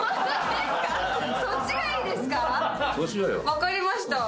分かりました。